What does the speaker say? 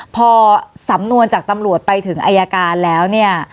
พอสำนวนจากตำรวจไปถึงอายการแล้วเนี่ย